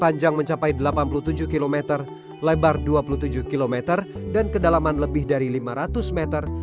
panjang mencapai delapan puluh tujuh km lebar dua puluh tujuh km dan kedalaman lebih dari lima ratus meter